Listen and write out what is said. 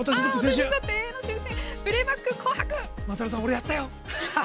プレーバック「紅白」。